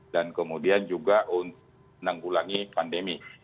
dan kemudian juga menanggulangi pandemi